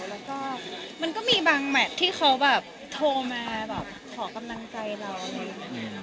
แล้วก็มันก็มีบางแมทที่เขาโทรมาขอกำลังใจเราเลย